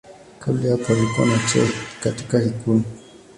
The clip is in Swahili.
Kabla ya hapo alikuwa na cheo katika ikulu.